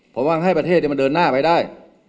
ผมว่าให้ประเทศมันเดินหน้าไปได้